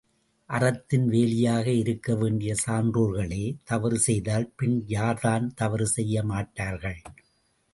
அறத்தின் வேலியாக இருக்க வேண்டிய சான்றோர்களே தவறு செய்தால் பின் யார் தான் தவறு செய்ய மாட்டார்கள்?